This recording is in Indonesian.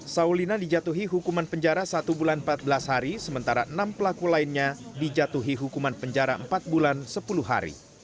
saulina dijatuhi hukuman penjara satu bulan empat belas hari sementara enam pelaku lainnya dijatuhi hukuman penjara empat bulan sepuluh hari